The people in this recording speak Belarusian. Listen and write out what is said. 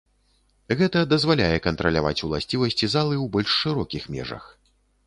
Гэта дазваляе кантраляваць уласцівасці залы ў больш шырокіх межах.